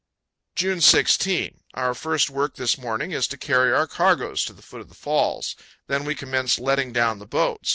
June 16. Our first work this morning is to carry our cargoes to the foot of the falls. Then we commence letting down the boats.